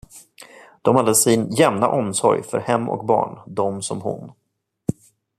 De hade sin jämna omsorg för hem och barn, de som hon.